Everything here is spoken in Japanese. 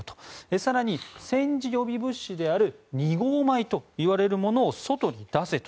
更に、戦時予備物資である２号米というものを外に出せと。